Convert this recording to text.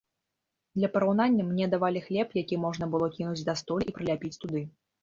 Для параўнання, мне давалі хлеб, які можна было кінуць да столі і прыляпіць туды.